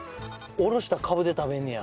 おろしたカブで食べんねや。